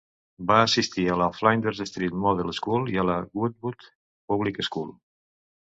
Va assistir a la Flinders Street Model School i a la Goodwood Public School.